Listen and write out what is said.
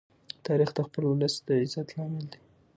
تاریخ د خپل ولس د عزت لامل دی.